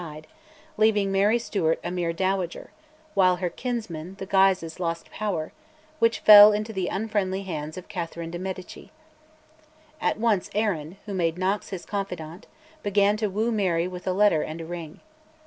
died, leaving Mary Stuart a mere dowager; while her kinsmen, the Guises, lost power, which fell into the unfriendly hands of Catherine de Medici. At once Arran, who made Knox his confidant, began to woo Mary with a letter and a ring.